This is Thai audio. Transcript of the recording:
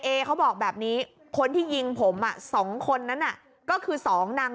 เอเขาบอกแบบนี้คนที่ยิงผมอ่ะ๒คนนั้นน่ะก็คือ๒นาง